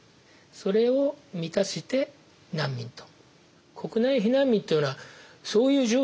それを満たして「難民」と。